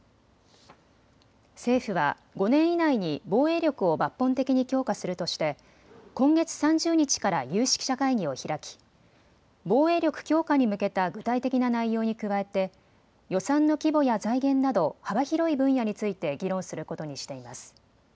政府は５年以内に防衛力を抜本的に強化するとして今月３０日から有識者会議を開き防衛力強化に向けた具体的な内容に加えて予算の規模や財源など幅広い分野について議論することにしています。